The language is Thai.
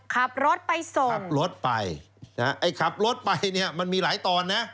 ขับรถไปส่งขับรถไปนะฮะไอ้ขับรถไปเนี่ยมันมีหลายตอนนะ